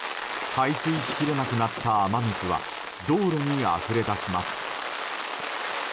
排水しきれなくなった雨水は道路にあふれ出します。